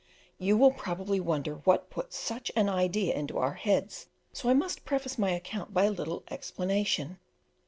You will probably wonder what put such an idea into our heads, so I must preface my account by a little explanation.